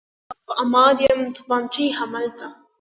له یخه به په امان یم، تومانچه یې همالته.